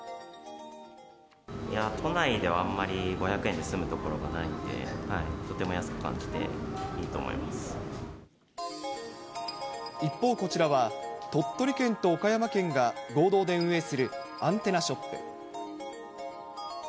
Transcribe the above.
都内ではあんまり５００円で済む所がないので、一方、こちらは鳥取県と岡山県が合同で運営するアンテナショップ。